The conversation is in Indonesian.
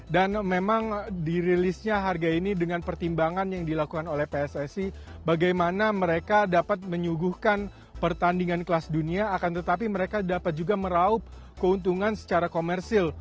dan memang dirilisnya harga ini dengan pertimbangan yang dilakukan oleh pssc bagaimana mereka dapat menyuguhkan pertandingan kelas dunia akan tetapi mereka dapat juga meraup keuntungan secara komersil